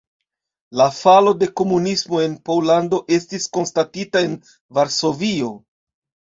La falo de komunismo en Pollando estis konstatita en Varsovio.